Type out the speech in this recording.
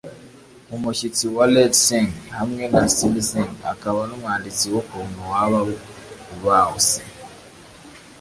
umushyitsi wa Late Singh hamwe na Lilly Singh akaba n'umwanditsi w'ukuntu waba Bawse: